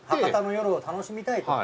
博多の夜を楽しみたい。